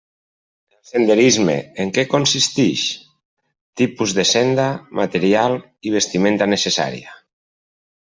El senderisme: en què consistix?; tipus de senda, material i vestimenta necessària.